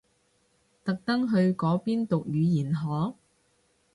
特登去嗰邊讀語言學？